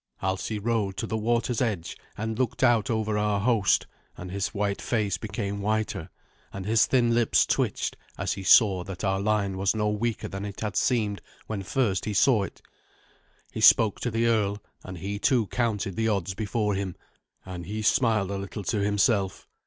Alsi rode to the water's edge and looked out over our host, and his white face became whiter, and his thin lips twitched as he saw that our line was no weaker than it had seemed when first he saw it. He spoke to the earl, and he too counted the odds before him, and he smiled a little to himself.